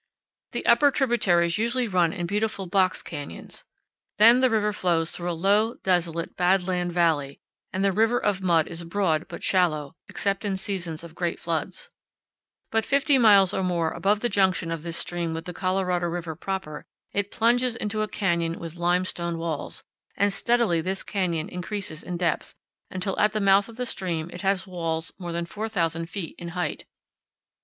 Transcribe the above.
The upper tributaries usually run in beautiful box canyons. Then the river flows through a low, desolate, bad land valley, and the river of mud is broad but shallow, except in seasons of great floods. But fifty miles or more above the junction of this stream with the Colorado River proper, it plunges into a canyon powell canyons 21.jpg CINDER CONE AND NECK NORTHEAST OF GRANT STATION. with limestone walls, and steadily this canyon increases in depth, until at the mouth of the stream it has walls more than 4,000 feet in height.